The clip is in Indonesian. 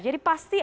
jadi pasti akan